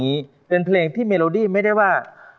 ตราบที่ทุกลมหายใจขึ้นหอดแต่ไอ้นั้น